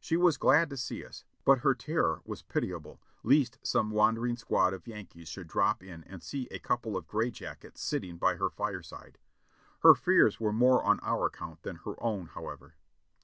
She was glad to see us, but her terror was pitiable lest some wandering squad of Yankees should drop in and see a couple of gray jackets sitting by her fireside; her fears were more on our account than her own, however.